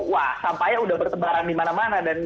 wah sampahnya udah bertebaran dimana mana